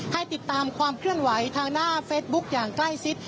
ให้ติดตามความเคลื่อนไหวทางหน้าเฟซบุ๊คอย่างใกล้ชิด